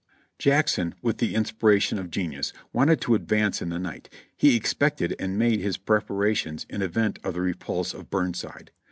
Jackson, with the inspiration of genius, wanted to advance in the night; he expected and made his preparations in event of the repulse of Burnside.